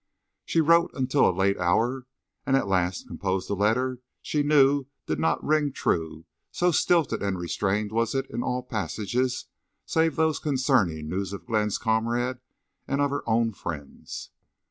She wrote until a late hour, and at last composed a letter she knew did not ring true, so stilted and restrained was it in all passages save those concerning news of Glenn's comrade and of her own friends.